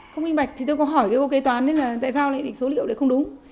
không minh bạch thì tôi có hỏi cô kế toán là tại sao lại định số liệu này không đúng